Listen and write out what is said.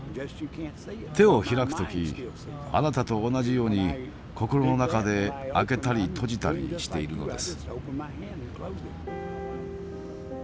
手を開く時あなたと同じように心の中で開けたり閉じたりしているのです。